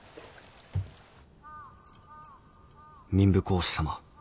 「民部公子様。